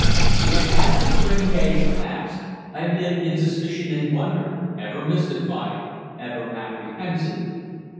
Yet, as the spring days passed, I lived in suspicion and wonder, ever mystified, ever apprehensive.